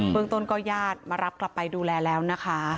เมืองต้นก็ญาติมารับกลับไปดูแลแล้วนะคะ